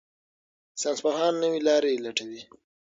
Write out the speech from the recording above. ساينسپوهان نوې لارې لټوي.